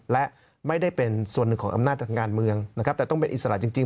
และไม่ได้เป็นส่วนหนึ่งของอำนาจทางการเมืองนะครับแต่ต้องเป็นอิสระจริง